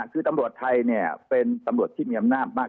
คือตำรวจไทยเนี่ยเป็นตำรวจที่เมียมน่ำมาก